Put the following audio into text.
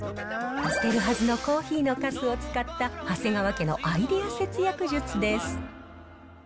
捨てるはずのコーヒーのかすを使った、長谷川家のアイデア節約術です。